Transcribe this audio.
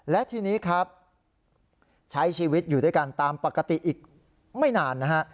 และทีนี้ครับใช้ชีวิตอยู่ด้วยกันตามปกติอีกไม่นานนะฮะ